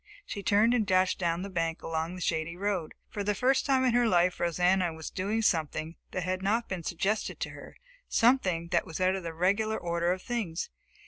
She turned and dashed down the bank and along the shady road. For the first time in her life Rosanna was doing something that had not been suggested to her; something that was out of the regular order of things.